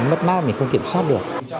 mất mát mình không kiểm soát được